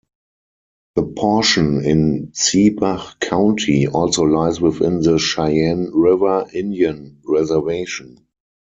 The portion in Ziebach County also lies within the Cheyenne River Indian Reservation.